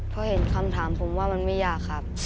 พอเห็นคำถามผมว่ามันไม่ยากครับ